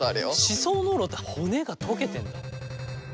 歯槽膿漏って骨が溶けてんだ。